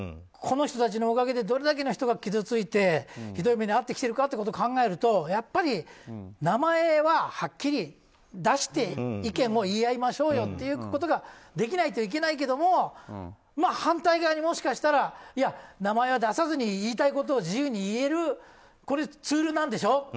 この人たちのおかげでどれだけの人が傷ついてひどい目に遭ってきてるかということを考えるとやっぱり名前ははっきり出して意見を言い合いましょうということができないといけないけど反対側に、もしかしたらいや、名前は出さずに言いたいことを自由に言えるツールなんでしょう。